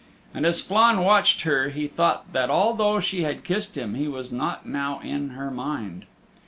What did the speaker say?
And as Flann watched her he thought that although she had kissed him he was not now in her mind.